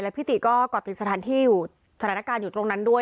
แล้วพี่ตีก็กดติดสถานการณ์อยู่ตรงนั้นด้วย